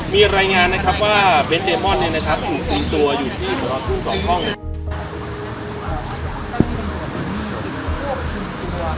มีรายงานนะครับว่าเว้นเดมอนเนี่ยนะครับอยู่ที่บริเวณพรุ่งสองห้อง